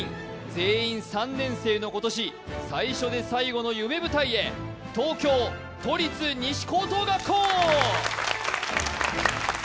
全員３年生の今年、最初で最後の夢舞台へ、東京都立西高等学校。